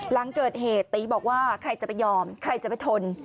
หลังเกิดเหตุตีบอกว่าใครจะไปยอมใครจะไปทน